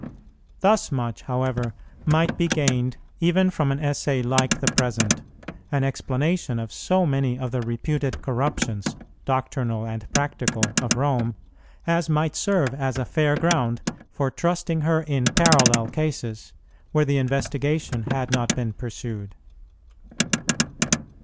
Thus much, however, might be gained even from an Essay like the present, an explanation of so many of the reputed corruptions, doctrinal and practical, of Rome, as might serve as a fair ground for trusting her in parallel cases where the investigation had not been pursued.